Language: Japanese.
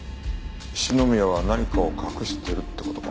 篠宮は何かを隠してるって事か。